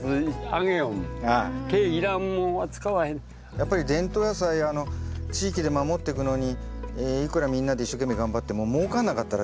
やっぱり伝統野菜地域で守ってくのにいくらみんなで一生懸命頑張ってももうかんなかったら。